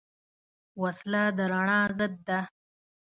وسله د رڼا ضد ده